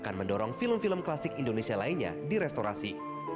akan mendorong film film klasik indonesia lainnya direstorasi